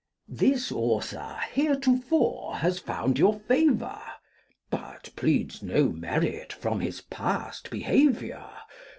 This author, heretofore, has found your favour, But pleads no merit from his past behaviour.